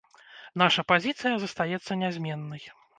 Наша пазіцыя застаецца нязменнай.